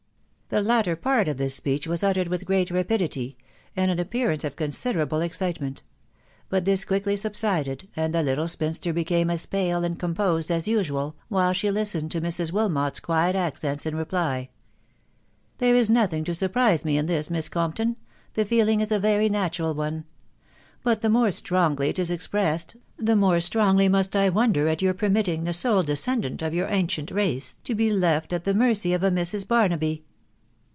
The latter part of this speech was uttered with great rapidity, and an appearance of considerable excitement ; but this quickly subsided, and the little spinster became as pale and composed as usual, while she listened to Mrs. Wilmot's quiet accents in reply. iC There is nothing to surprise me in this, Miss Compton ; the feeling is a very natural one. But the more strongly it is expressed, the more strongly must I wonder at your permitting the sole descendant of your ancient race to be left at the mercy of a Mrs. Barnaby.